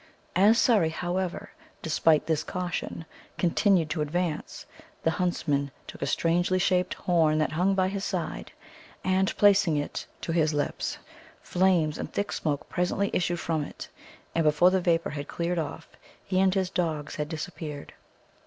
As Surrey, however, despite this caution, continued to advance, the huntsman took a strangely shaped horn that hung by his side, and placing it to his lips, flames and thick smoke presently issued from it, and before the vapour had cleared off, he and his dogs had disappeared..